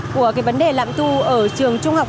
của cái vấn đề lạm thu ở trường trung học